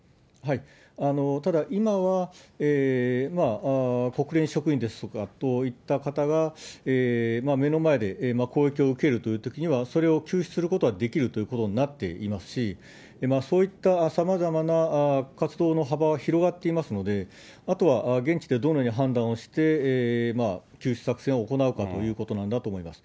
ただ、今は国連職員ですとかといった方が、目の前で攻撃を受けるというときには、それを救出することはできるということになっていますし、そういったさまざまな活動の幅は広がっていますので、あとは現地でどのように判断をして、救出作戦を行うかということなんだと思います。